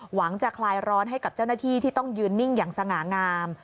หวังจะคลายร้อนให้กับเจ้าหน้าที่ที่ต้องยืนนิ่งอย่างสง่างาม